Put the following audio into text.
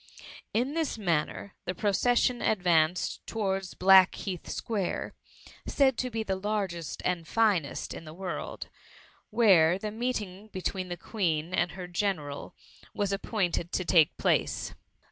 In this manner the procession advanced to wards Blackheath Square, said to be the largest and finest in the world, where the meeting be ^ tween the Queen and her general was appoint ed to take place.